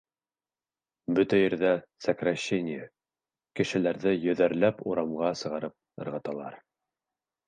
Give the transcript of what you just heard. Бөтә ерҙә сокращение, кешеләрҙе йөҙәрләп урамға сығарып ырғыталар.